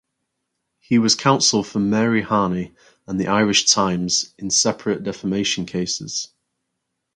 He was counsel for Mary Harney and The Irish Times in separate defamation cases.